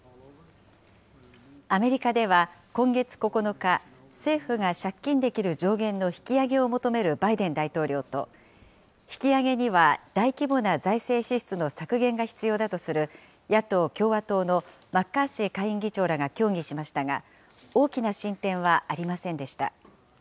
アメリカでは今月９日、政府が借金できる上限の引き上げを求めるバイデン大統領と、引き上げには大規模な財政支出の削減が必要だとする、野党・共和党のマッカーシー下院議長らが協議しましたが、大きな進展はありませんでした。